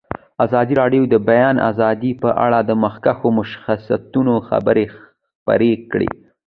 ازادي راډیو د د بیان آزادي په اړه د مخکښو شخصیتونو خبرې خپرې کړي.